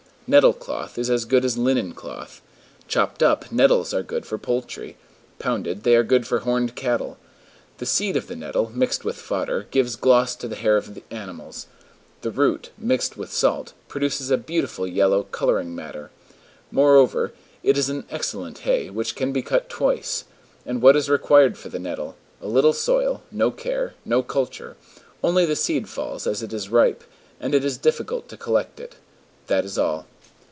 Nettle cloth is as good as linen cloth. Chopped up, nettles are good for poultry; pounded, they are good for horned cattle. The seed of the nettle, mixed with fodder, gives gloss to the hair of animals; the root, mixed with salt, produces a beautiful yellow coloring matter. Moreover, it is an excellent hay, which can be cut twice. And what is required for the nettle? A little soil, no care, no culture. Only the seed falls as it is ripe, and it is difficult to collect it. That is all.